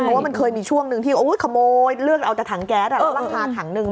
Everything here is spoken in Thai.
เพราะว่ามันเคยมีช่วงหนึ่งที่ขโมยเลือกเอาแต่ถังแก๊สแล้วหลังคาถังหนึ่ง